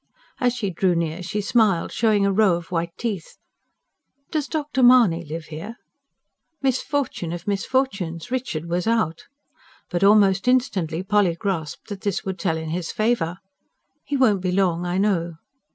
As she drew near she smiled, showing a row of white teeth. "Does Dr. Mahony live here?" Misfortune of misfortunes! Richard was out. But almost instantly Polly grasped that this would tell in his favour. "He won't be long, I know."